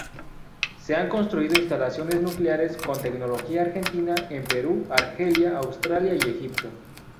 Se han construido instalaciones nucleares con tecnología argentina en Perú, Argelia, Australia y Egipto.